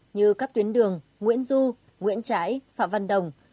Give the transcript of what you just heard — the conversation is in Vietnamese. như các tuyến đường nguyễn du nguyễn trái phạm văn đồng